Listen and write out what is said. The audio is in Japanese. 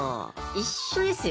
一緒ですよ。